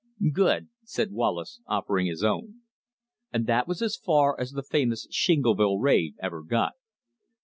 "Good," said Wallace offering his own. And that was as far as the famous Shingleville raid ever got.